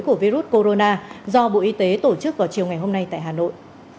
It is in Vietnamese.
của virus corona do bộ y tế tổ chức vào chiều ngày hôm nay tại hà nội